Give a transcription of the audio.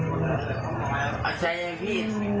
อ้าวไม่ได้ไม่ได้